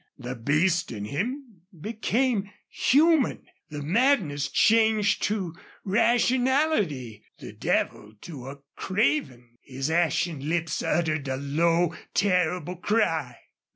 The beast in him became human the madness changed to rationality the devil to a craven! His ashen lips uttered a low, terrible cry.